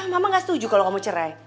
mama gak setuju kalau kamu cerai